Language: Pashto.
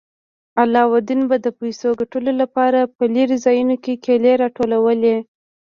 علاوالدین به د پیسو ګټلو لپاره په لیرې ځایونو کې کیلې راټولولې.